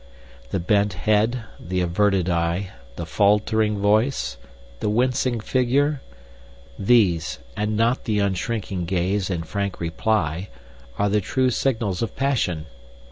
The bent head, the averted eye, the faltering voice, the wincing figure these, and not the unshrinking gaze and frank reply, are the true signals of passion.